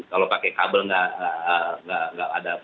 kalau pakai kabel nggak ada